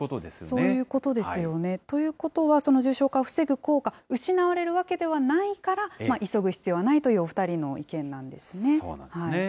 そういうことですよね。ということは、その重症化を防ぐ効果失われるわけではないから、急ぐ必要はないというお２人の意見なそうなんですね。